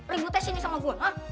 ributnya sini sama gue ha